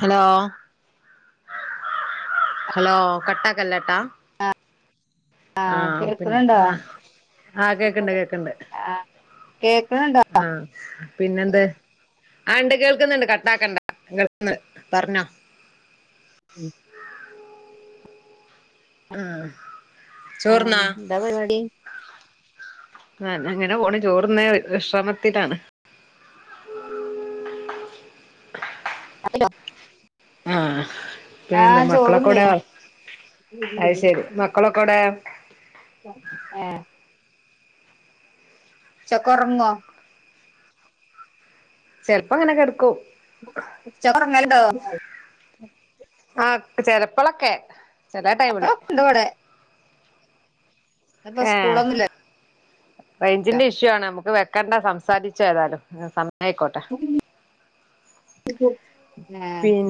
Hello. Hello കട്ടാകല്ലട്ടാ. ആഹ് പിന്നെ ആഹ് ആഹ് കേക്ക്ണ്ട് കേക്ക്ണ്ട്. കേക്ക്ണ്ണ്ടാ ആഹ് പിന്നെന്തെ ആണ്ട് കേക്ക്ന്ന്ണ്ട്, ക ട്ടാക്കണ്ട കേൾന്ന് പർഞ്ഞോ. ഉം ആഹ്. ആഹ് ചോറ്ന്നാ എന്താ പരിപാടി. ആഹ് അങ്ങനെ പോണ് ചോറ്ന്ന് വിശ്രമത്തിലാണ്. അപിട്ടൊ. ആഹാ പിന്നെന്താ ആഹ് ചോറുന്നേ മക്കളൊക്കൊവ്ടെ അയ്ശെരി മക്കളൊക്കോടെ? ഏഹ്. ഉച്ചക്ക്‌ ഉറങ്ങോ ചെൽപ്പൊങ്ങനെ കെട്ക്കും. ഉച്ചക്കൊർങ്ങല്ണ്ടോ ആഹ് ചെലപ്പളൊക്കെ ചെലെ ടൈമില് ഉണ്ട് വടെ ഏ സ്കൂളൊന്നുല്ല റേഞ്ചിന്റെ ഇഷ്യൂ ആണ് നമ്മുക്ക് വെക്കണ്ട സംസാരിചേതായാലും സം എന്നാ ആയിക്കോട്ടെ ഏഹ് പിന്നെ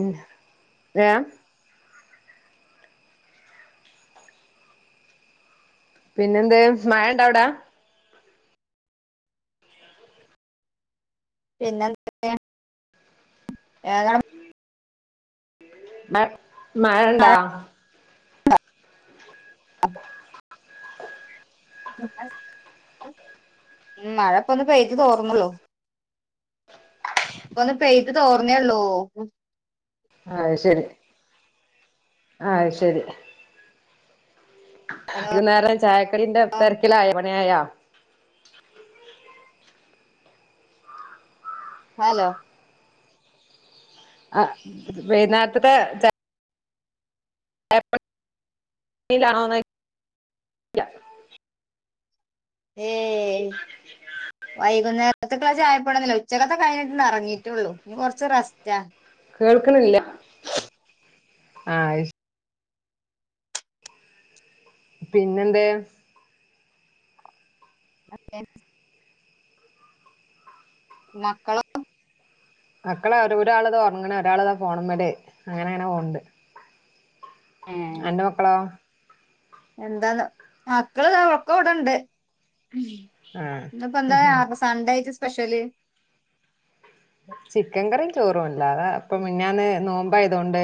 രാം പിന്നെ എന്ത് മഴ ഉണ്ടാവിടെ പിന്നെന്തൊക്കെ ഏതാ അവിടെ മഴ ഉണ്ടോ ഉ [inaudible] ഉ മഴപ്പൊന്ന് പെയ്തി തോർന്നള്ളൂ ഒന്ന് പെയ്ത് തോർന്നേള്ളൂ അയ് ശരിഅയ് ശരി ഹലോ വൈകുന്നേരം ചായക്കടീന്റെ തിരക്കിലായോ പണി ആയോ ഹലോ ആ വൈകുന്നേരതത്തെ ചാ എപ്പൾ [inaudible] ഏയ് വൈകുന്നേരതെക്ക് ചായന്റെ തുടെങ്ങിട്ടില്ല ഉച്ചക്കത്തെ കഴിഞ്ഞിട്ട്ന്ന് ഇറങ്ങിട്ടുള്ളൂ ഇനി കുറച്ച് റസ്റ്റാ കേൾക്കണില്ല ആയി പിന്നെന്തെ അ [inaudible] മക്കളോ മക്കളെ ഒരു ഒരാളത് ഉറങ്ങണ് ഒരാളത് ഫോണിമ്മൽ വടെ അങ്ങനെ അങ്ങനെ പോകുന്നുണ്ട് ഏഹ് അന്റെ മക്കളോ എന്താന്ന് മക്കള്താ ഒക്കെ ഇവിടെണ്ട് ആ ഇന്ന് ഇപ്പോന്താ സൺഡേ ആയിട്ട് സ്പെഷ്യൽ ചിക്കൻ കറിയും ചോറുണ്ട് അതാ ഇപ്പൊ മിനിഞ്ഞാന്ന് നോമ്പായതോണ്ട്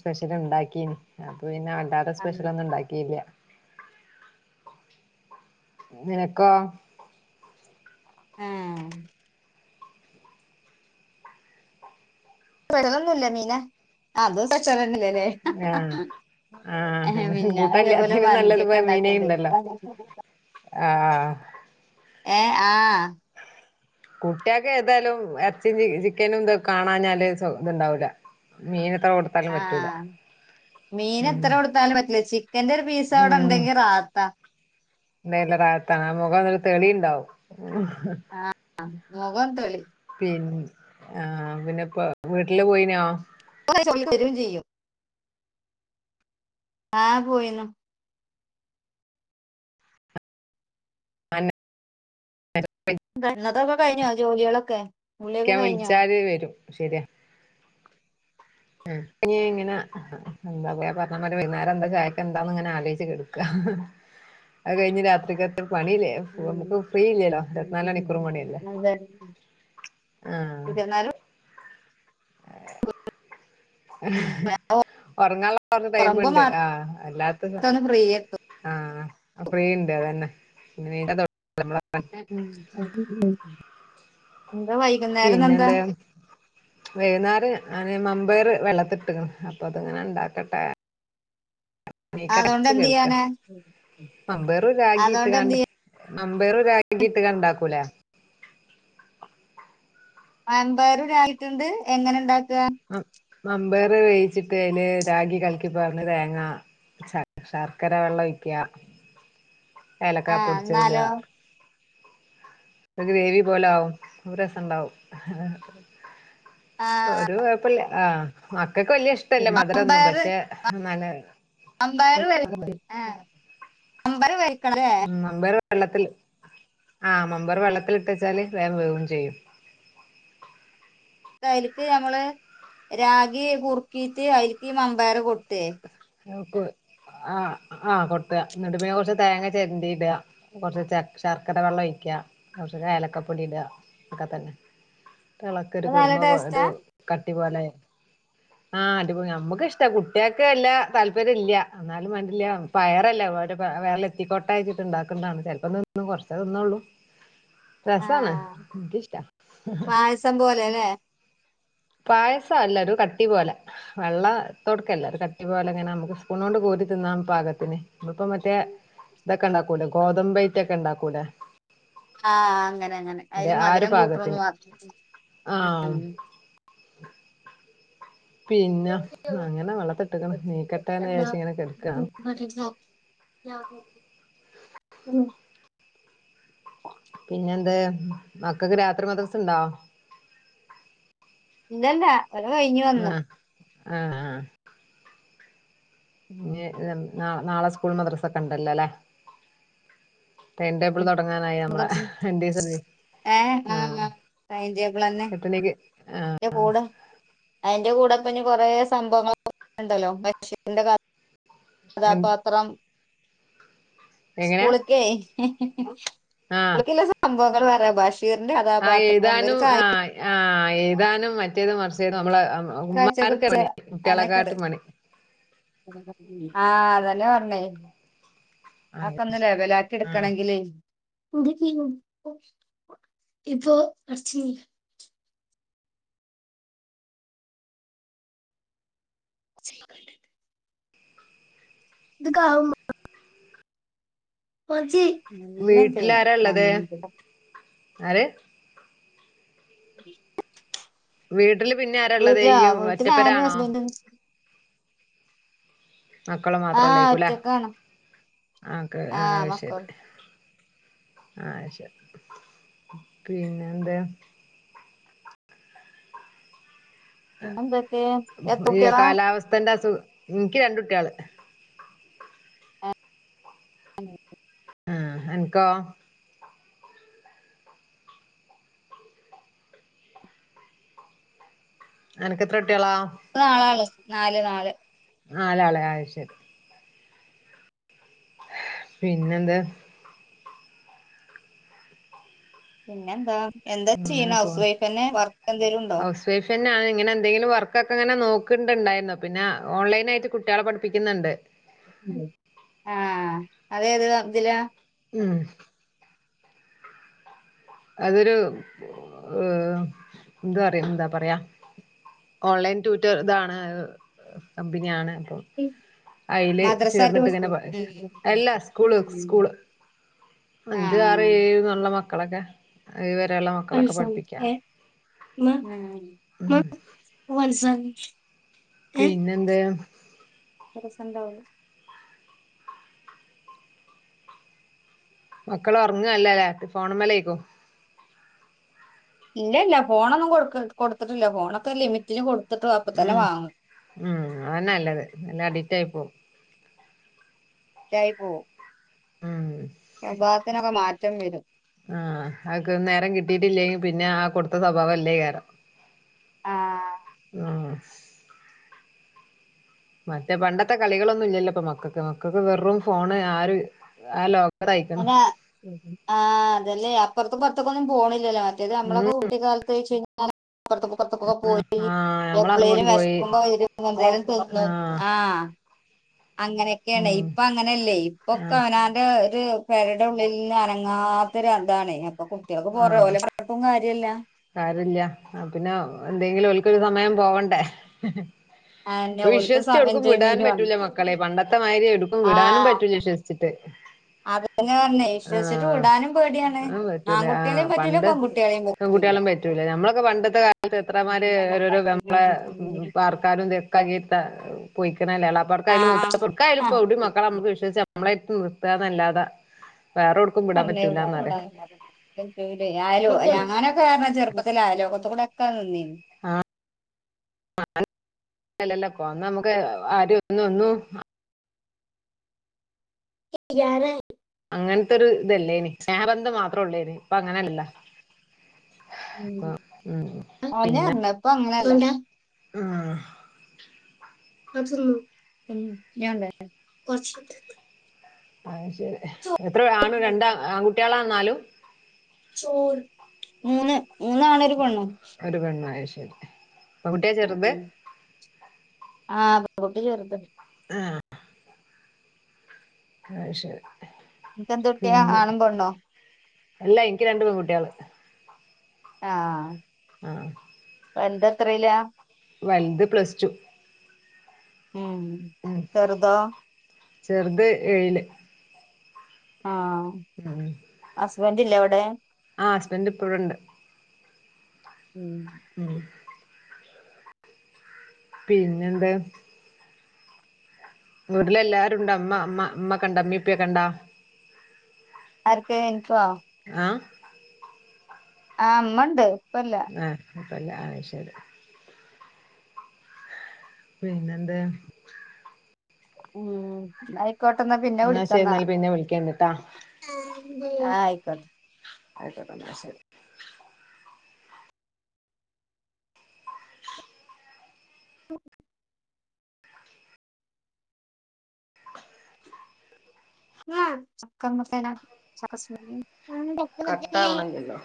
സ്പെഷ്യലുണ്ടാക്കി അപ്പ പിന്നെ അല്ലാതെ സ്പെഷ്യൽ ഒന്നും ഉണ്ടാക്കിയില്ല നിനക്കോ ആഹ് സ്പെഷല് ഒന്നും ഇല്ലമീന അതും സ്പെഷല് തന്നെയല്ലേ ലേ ആഹ് ആഹ് പിന്നെ അതേപോലെ എന്നകൂട്ടല്ലാത്തേനും നല്ലത് മന്തിയൊക്കെ പൊയ്മീൻ ഉണ്ടാക്കിണ്ടേ ഉണ്ടല്ലോ ആഹ് ഏഹ് ആഹ് കുട്ടികൾക്ക് ഏതായാലും ഇറച്ചും ചിക്കനും ഇ കാണാഞ്ഞാല് ശ്വസ്ഥത ഉണ്ടാവൂല മീൻ എത്ര കൊടു ആഹ് മീൻ ഉം എത്ര കൊടുത്താലും പറ്റില്ല ചിക്കന്റെ ഒരു പീസ് അവിടെ ഉണ്ടെങ്കി റാഹത്താ നല്ല റാഹത്താണ് ആ മുഖംന്നൊരു തെളിയുണ്ടാവും ആഹ് മുഖം തെളിയും പിന്നെ ആ പിന്നെപ്പോ വീട്ടില് പോയിനോ [unintelligible] സൗഹര്യം ചെയ്യും ആഹ് പോയിനു [inaudible] തന്നതൊക്കെ കഴിഞ്ഞോ ജോലികളൊക്കെ കുളിയൊക്കെ ക്ക്യാൻ കഴിഞ്ഞോ വിളിച്ചാല് വെരും ശരിയാ ഏഹ് ഇനി ഇങ്ങനെ എന്താ പറയാ പറഞ്ഞമാരി വൈകുന്നേരെന്താ ചായക്കെന്താന്ന്ങ്ങനെ ആലോയ്ച്ച് കെട് അഹ് കഴിഞ്ഞ് രാത്രിക്കെത്തെ പണില്ലേ ഓഹ് നമുക്ക് ഫ്രീ ഇല്ലല്ലോ ഇരുപത്ത്നാലണിക്കൂറും പണിയല്ലേ ആഹ് ഇരുവതിന്നാലും ഒറങ്ങാന്ളൊക്കെ ഉറങ്ങുമ്പോ ടൈമുണ്ട് മാത്രം ആഹ് അല്ലാത്ത സ ഒന്ന് ഫ്രീ കിട്ടും ആഹ് ആഹ് ഫ്രീയിണ്ട് അതന്നെ പിന്നെ [unintelligible] ഏഹ് ഉം [unintelligible] എന്താ വൈ പിന്നെന്താണ് വൈന്നാറ് ആണേ മമ്പേറ് വെള്ളത്തിട്ട്ക്ക്ണ് അപ്പം അതങ്ങനെ ഇണ്ടാക്കട്ടെ നീക്കട്ടെ അതുകൊണ്ട് [unintelligible] എന്ത് കെട്ക്കാ ചെയ്യാനാ മമ്പേറ് രാഗിയിട്ട് അതുകൊണ്ട് എന്ത് കാണ്ട് ചെയ്യാ മമ്പയറ് രാഗിയിട്ട് കാണ്ട് ഇണ്ടാക്കൂലേ വൻപയർ രാഗിയിട്ട്ണ്ട് എങ്ങനെ ഇണ്ടാക്കാ ആഹ് മമ്പേർ വേയിച്ചിട്ട് അയില് രാഗി കല്ക്കി പാറ്ന്ന് തേങ്ങാ ശർ ശർക്കര വെള്ളം ഒഴിക്ക്യാ ആ ഏലക്കാ പൊടിച്ചെ ഇടാ എന്നാലോ ഒര് ഗ്രേവി പോലാവും ഓഹ് രസണ്ടാവും ആഹ് ഒരു കൊഴപ്പല്ല ആഹ് മക്കൾക്ക് വല്ല്യ ഇഷ്ടല്ല മധുരൊന്നും പക്ഷേ എന്നാല് വൻമ്പയർ വെ ഏഹ് മമ്പയർ വെര്കണല്ലേ ഉം മമ്പയർ വെള്ളത്തിൽ ആഹ് മമ്പയർ വെള്ളത്തിലിട്ടെച്ചാല് വേം വേവും ചെയ്യും ഇതയില്ക്ക് ഞമ്മള് രാഗി കുറുക്കീട്ട് അയില്ക്ക് ഈ മമ്പയർ കൊട്ടെ പിന്നെ ഉപ്പ് ആഹ് ആഹ് കൊട്ടാ ഇന്ന്ട്ട് പിന്നെ കൊറച്ച് തേങ്ങ ചെരണ്ടി ഇടാ കൊറച്ച് ച ശർക്കര വെള്ളം ഒഴിക്കാ കൊറച്ച് ഏലക്കപ്പൊടി ഇടാ ഒക്കെ തന്നെ അത് തെളക്കരുത് നല്ല കുറുമ ടേസ്റ്റാ വാടു കട്ടി പോലായി ആഹ് അടിപൊളിയാ നമ്മക്ക്ഷ്ട കുട്ട്യക്ക് വെല്ലാ താല്പര്യല്ല എന്നാലും മാണ്ടില്ല്യാ പയറല്ലെ ഓലെ പ വയറില് എത്തിക്കോട്ടെച്ചിട്ട് ഇണ്ടാക്ക്ന്നാണ് ചെലപ്പം തി ന്നും കൊറച്ചെ തിന്നോള്ളു ആ രസാണ് ഇനിക്കി ഇഷ്ടാ സംഭവം അല്ലേല്ലേ പായസ അല്ല ഒരു കട്ടി പോലെ വെള്ള തോട്ക്കല്ലാ ഒര് കട്ടി പോല ഇങ്ങനെ നമുക്ക് സ്പൂണോണ്ട് കോരി തിന്നാം പാകത്തിന് ഇതിപ്പം മറ്റേ ഇതൊക്കെ ഇണ്ടാക്കൂലെ ഗോതമ്പയിറ്റൊക്കെ ഇണ്ടാക്കൂലെ ആഹ് അങ്ങനെ അങ്ങനെ അയില് ആ ഒരു മധുരം പാകത്തിന് കൂട്ടുണൂന്ന് [unintelligible] ഉം ആഹ് പിന്നെ അങ്ങനെ വെള്ളത്ത് ഇട്ട്ക്ക്ണ് നീക്കട്ടെന്ന് വിയാരിച്ച് ഇങ്ങനെ കെട്ക്കാണ് അറ്റ്ലിസ്റ്റ് നോ [unintelligible] ഉം പിന്നെ എന്ത് മക്കക്ക് രാത്രി മദ്രസ്ണ്ടോ ഇതന്നെ കഥ കഴിഞ്ഞു ന്നാ വന്നു ആഹ് ആഹ് ഇഞ്ഞ് ഉം നാളെ നാളെ സ്കൂളും മദ്രസൊക്കെ ഇണ്ടല്ലോല്ലേ ടൈംടേബിള് തൊടങ്ങാനായി ഞമ്മളെ രണ്ടീസഞ്ഞ് ഏ ആ ആഹ് എട്ടണിക്ക് ആഹ് [unintelligible] അയിന്റെ കൂടെപ്പഞ്ഞ് കൊറേ സംഭവങ്ങളൊ ഇണ്ടല്ലോ [unintelligible] [unintelligible] കഥാപാത്രം എങ്ങനെയാ സ്കൂള്ക്കേ ആഹ് സ്കൂളുക്കിള്ള സംഭവങ്ങൾ വേറെ ഭാഷ ഷീറിന്റെ ആഹ് കഥാപാത്രം എഴുതാനും [unintelligible] ആഹ് ആഹ് എഴുതാനും മറ്റേത് മർച്ചത് നമ്മള് ഉമ്മാർക്കാ കാഴ്ചയൊക്കെ പണി കുട്ടിയളേക്കാട്ടും പണി ആഹ് അതന്നെ പറഞ്ഞേ അതൊക്കെ ഒന്ന് ലെവലാക്കി ആഹ് എടുക്കണെങ്കില് [inaudible] [inaudible] ഇത്ക്കാവും വീട്ടിലാരാ ഉള്ളത് [inaudible] ആര് വീട്ടില് പിന്നെ ആരാ ഉള്ളത് വീട്ടിലാ ഇയ്യും വീട്ടി ഞാനും ഒറ്റപ്പെരാണോ ഹസ്ബൻ്റും മക്കള് ആ മാത്രംള്ളേക്കൂല ഒറ്റക്കാണ് ആക്കെ ആ അത് ശരി ആവിശ്യാ പിന്നെന്താ പിന്നെന്തൊക്കെ എത്ര ഈ കുട്ടികളാ കാലാവസ്ഥന്റെ അസു എനിക്ക് രണ്ടുട്ടിയള് ആ ഓക്കേ ആ അൻക്കോ അനക്ക് എത്രക്കുട്ടിക്കളാ നാലാള് നാല് നാല് നാലാള് അത് ശരി പിന്നെന്താ പിന്നെ എന്താ എന്താ ചെയ്യണ അങ്ങനെ ഹൗസ് വൈഫ്ന്നെ വർക്ക് എന്തേലും ഉണ്ടോ സേഷ ഞാൻ ഇങ്ങനെ എന്തെങ്കിലും വർക്ക ഒക്കെ ഇങ്ങനെ നോക്കിണ്ടായിന്നു പിന്ന ഓൺലൈനായിട്ട് കുട്ടികളെ പഠിപ്പിക്കുന്നുണ്ട് ആഹ് അതേത് ഇതിലാ ഉം അതൊരു ഏഹ് എന്താ പറ എന്താ പറയാ ഓൺലൈൻ ട്വൂറ്റൊർ ഇതാണ് കമ്പനിയാണ് അപ്പൊ അയില് മദ്രസ ചേർന്നിട്ട് ഇങ്ങനെ ട്യൂഷൻ അല്ലാ സ്കൂള് സ്കൂള് അഞ്ചു ആറ് ആഹ് ഏഴ്ന്നുള്ള മക്കളൊക്കെ ഏഴു വരെയുള്ള മ [inaudible] പിന്നെന്തേ [unintelligible] മക്കള് ഉറങ്ങുവാല്ലല്ലേ ഫോണ് മ്മേലാര്ക്കും ഇല്ല ഇല്ല ഫോണൊന്നും കൊടു കൊടുത്തിട്ടില്ല ഫോണൊക്കെ ലിമിറ്റിന് കൊടുത്തിട്ട് അപ്പ തന്നെ ഉം വാങ്ങും ഉം അതന്നെ നല്ലത് അല്ലേ അഡിക്റ്റ് ആയി പോകും റ്റായി പോകും ഉം സ്വഭാവത്തിനൊക്കെ മാറ്റം വരും ആഹ് അതക്കെ നേരം കിട്ടിയിട്ടില്ലെങ്കിൽ പിന്നെ ആ കൊടുത്ത സ്വഭാവം അല്ലേ കാരം ആഹ് ആഹ് മറ്റേ പണ്ടത്തെ കളികളൊന്നും ഇല്ലല്ലോപ്പൊ മക്കൾക്ക് മക്കൾക്ക് വെറും ഫോണ് ആ ഒരു ആ ലോ അനാ ആഹ് അതന്നെ അപ്പ്റത്ത് ഇപ്പത്തേക്ക് ഒന്നും പോണില്ലല്ലേ മ റ്റേത് ഉം നമ്മളൊക്കെ കുട്ടിക്കാലത്ത്ച്ച് കഴിഞ്ഞാ [inaudible] പ്പ്റത്തേക്കൊക്കെ പോയി ആഹ് നമ്മള് എപ്പളേലും അങ്ങോട്ട് പോയി വിശക്കുമ്പോ വരും എന്തേലും തീന്നു ആഹ് അങ്ങനെയൊക്കെയാണ് ഉം ഇപ്പൊ അങ്ങനെയല്ലേ ഇപ്പൊക്കെ ആഹ് അവനാന്റെ ഒരു പേരന്റെ ഉള്ളിൽ നിന്ന് അനങ്ങാത്തൊരു അതാണ്അപ്പൊ കുട്ടികൾക്ക് പോറ ആഹ് പോലെ കുഴപ്പവും കാര്യല്ല കാര്യല്ല. അപ്പ പിന്നെ എന്തെങ്കിലും ഓൽക്കൊരു സമയം പോവണ്ടേ. അതെന്നെ ഇപ്പോ ഓൽക്ക് വിശ്വസിച്ച് എവ്ട്ക്കും വിടാൻ എൻജോയ്മെന്റ് വേണം പറ്റൂല്ല മക്കളെ പണ്ടത്തെമായിരി എവ്ട്ക്കും വിടാനും ആഹ് പറ്റൂല്ല വിശ്വസ് ച്ചിട്ട്. അതന്നെ പറഞ്ഞെ വിശ്വിച്ചിട്ട് വിടാനും പേടിയാണ്. റ്റൂല ആഹ് ആൺകുട്ടികളെയും പറ്റൂല പണ്ട് പെൺകുട്ടികളെയും പറ്റൂല പെങ്കുട്ട്യാളിം പറ്റൂല. ഞമ്മളൊക്കെ പണ്ടത്തെ കാലത്ത് എത്രമാര് ഓരോരോ [unintelligible] ളെ പാർക്കാനും ഇതൊ [unintelligible] പോയിക്കണല്ലെ എളാപ്പാട്ക്കായും മൂത്താ ആഹ് [unintelligible] ക്കായാലും ഇപ്പോ ആഹ് എവിടിം മക്കളെ നമ്മുക്ക് വിശ്വസിച് നമ്മളെര്ത്ത് നിർത്താന്നല്ലാതെ, വേറൊട് [unintelligible] ന്തെച്ചെങ്കിലേ, അയ്ലോ ഞാനൊക്കെ കാരണം ചെറുപ്പത്തില് അയലോക്കത്ത് കൂടൊക്കെ നിന്നീന്. ആഹ് [unintelligible] അല്ലല്ലപ്പൊ അന്ന് നമക്ക് ആരും ഒന്നും ഒന്നും [unintelligible] അങ്ങനത്തൊരു ഇതല്ലേനി സ്നേഹബന്ധം മാത്രൊള്ളേനി. ഇപ്പ അങ്ങനല്ല. ഉം. ഉം അതന്നെ പിന്നെ പർഞത് ഇപ്പ അങ്ങനെ ആഹ് അത്ത ഞണ്ട പച്ച അഹ് ശരി. എത്രെ ആണു രണ്ടാ ആൺകുട്ട്യേളാ നാലും? മൂന്ന് മൂന്നാണും ഒരു പെണ്ണും. ഒരു പെണ്ണും, അഹ്ശരി. ഉം. ആഹ് പെൺകുട്ടി ചെർതാ. ആഹ്. അഹ് ശരി. ഇങ്ങക്കെന്തുട്ട്യാ, പിന്നെ ആണും പെണ്ണോ? അല്ല ഇൻക്ക് രണ്ടു പെൺകുട്ട്യേള്. ആഹ്. ആഹ്. വല്ത് എത്രീലാ? വൽത് പ്ലസ് റ്റു. ഉം ഉം. ചെറുതോ ചെറുത് ഏഴില്. ആഹ്. ഉം ഹസ്ബൻഡില്ലേ അവ്ടെ? ആഹ് ഹസ്ബൻറ് ഇപ്പവിടണ്ട്. ഉം. ഉം. പിന്നെന്താ? വീട്ടിലെല്ലാരുംണ്ടോ? ഇമ്മ ഇമ്മ ഇമ്മക്കൊണ്ടോ, ഇമ്മിം ഇപ്പ്യൊക്കെണ്ടോ? ആർക്ക് ഇൻക്കോ? ആഹ്. ആഹ് ഇമ്മണ്ട് ഇപ്പല്ല. ഏഹ്. ഇപ്പല്ലാ അഹ്ശരി. പിന്നെന്ത്, ഉം ന്നാ ആയിക്കോട്ടെന്നാ പിന്നെ എന്നാ ശരി വിളിക്കന്നാ. എന്നാൽ പിന്നെ വിളിക്കണ്ടിട്ടാ ആഹ് ആയിക്കോട്ടെ. ആയിക്കോട്ടെന്നാ ശരി. [inaudible] [inaudible] [inaudible] കട്ടാവണില്ലല്ലോ